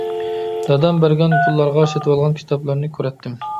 دادام بەرگەن پۇللارغا سېتىۋالغان كىتابلارنى كۆرەتتىم.